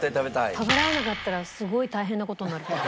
食べられなかったらすごい大変な事になると思う。